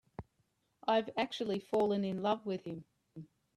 I've actually fallen in love with him.